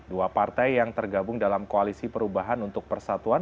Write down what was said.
dua partai yang tergabung dalam koalisi perubahan untuk persatuan